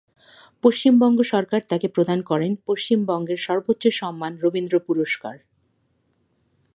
পশ্চিমবঙ্গ সরকার তাকে প্রদান করেন পশ্চিমবঙ্গের সর্বোচ্চ সম্মান রবীন্দ্র পুরস্কার।